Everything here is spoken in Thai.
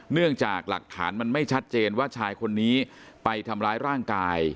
เนื่องจากหลักฐานมันไม่ชัดเจนว่าชายคนนี้ไปทำร้ายร่างกาย